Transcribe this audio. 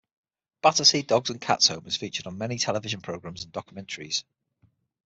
Battersea Dogs and Cats Home has featured on many television programmes and documentaries.